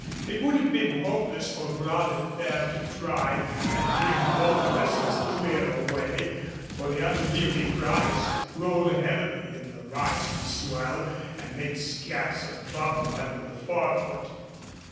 It would have been hopeless for Bras de Fer to try and bring both vessels clear away, for the unwieldly prize rolled heavily in the rising swell and made scarce a bubble under the forefoot.